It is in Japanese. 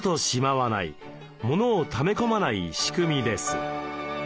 モノをため込まない仕組みです。